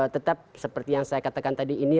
tetap seperti yang saya katakan tadi ini